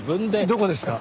どこですか？